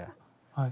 はい。